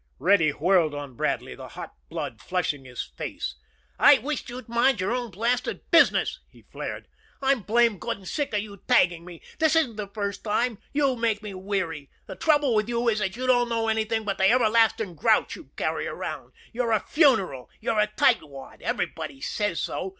Reddy whirled on Bradley, the hot blood flushing his face. "I wish you'd mind your own blasted business!" he flared. "I'm blamed good and sick of you tagging me. This isn't the first time. You make me weary! The trouble with you is that you don't know anything but the everlasting grouch you carry around. You're a funeral! You're a tight wad. Everybody says so.